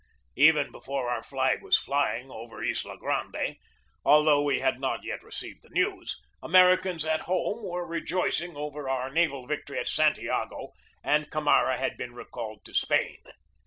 Even before our flag was flying over Isla Grande, although we had not yet received the news, Ameri cans at home were rejoicing over our naval victory at Santiago and Camara had been recalled to Spain.